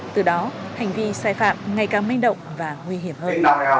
từ đó hành vi sai phạm ngày càng manh động và nguy hiểm hơn